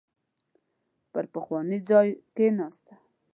پر پخواني ځای کېناسته.